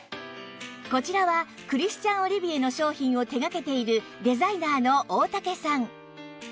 こちらはクリスチャン・オリビエの商品を手がけているデザイナーの大武さん